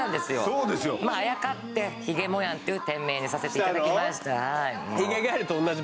そうですよあやかってひげもやんという店名にさせていただきましたしたの？